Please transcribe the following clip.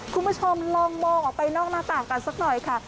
คุณผู้ชมลองมองออกไปนอกหน้าต่างกันสักหน่อยค่ะ